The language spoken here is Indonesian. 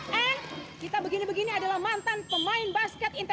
dan kita begini begini adalah mantan pemain basket internasional